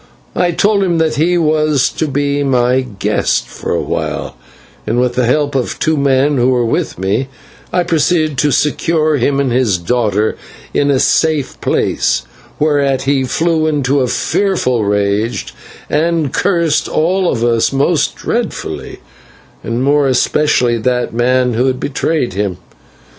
I told him that he was to be my guest for a while, and with the help of two men who were with me I proceeded to secure him and his daughter in a safe place, whereat he flew into a fearful rage, and cursed all of us most dreadfully, and more especially that man who had betrayed him.